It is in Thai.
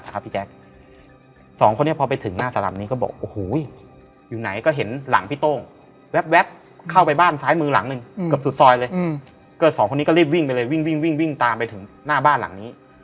ก็สองคนนี้ก็รีบวิ่งไปเลยวิ่งวิ่งวิ่งวิ่งตามไปถึงหน้าบ้านหลังนี้